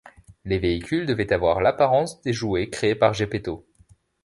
Les véhicules devaient avoir l'apparence des jouets créés par Geppetto.